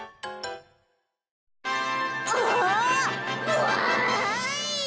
うわわい！